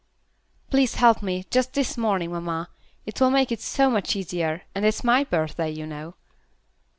"Please help me, just this morning, mamma. It will make it so much easier, and it's my birthday, you know."